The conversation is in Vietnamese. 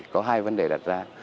có hai vấn đề đặt ra